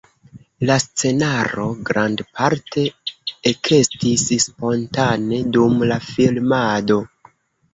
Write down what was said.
La scenaro grandparte ekestis spontane dum la filmado.